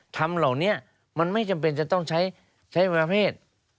ทำเหล่านี้มันไม่จำเป็นจะต้องใช้ประเภท